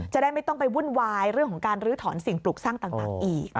จะได้ไม่ต้องไปวุ่นวายเรื่องของการลื้อถอนสิ่งปลูกสร้างต่างอีก